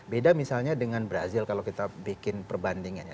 beda misalnya dengan brazil kalau kita bikin perbandingannya